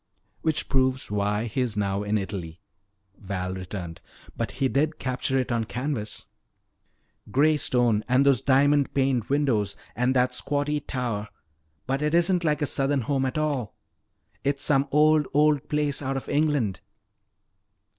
"Which proves why he is now in Italy," Val returned. "But he did capture it on canvas." "Gray stone and those diamond paned windows and that squatty tower. But it isn't like a Southern home at all! It's some old, old place out of England."